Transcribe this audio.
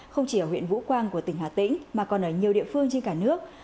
không chỉ ở huyện vũ quang của tỉnh hà tĩnh mà còn ở nhiều địa phương trên cả nước